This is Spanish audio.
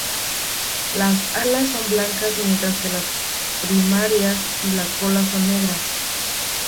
Las alas son blancas mientras que las primarias y la cola son negras.